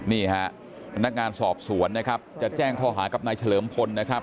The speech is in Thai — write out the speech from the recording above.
นี่ฮะพนักงานสอบสวนนะครับจะแจ้งข้อหากับนายเฉลิมพลนะครับ